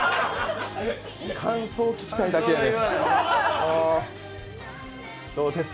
感想聞きたいだけやねん。